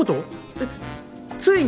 えっついに？